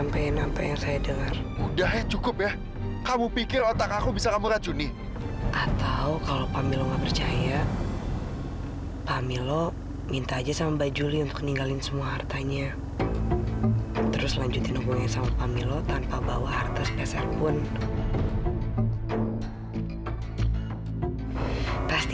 makanya sekali dibilangin itu nurut